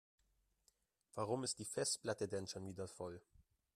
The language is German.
Warum ist die Festplatte denn schon wieder voll?